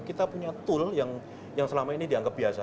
kita punya tool yang selama ini dianggap biasa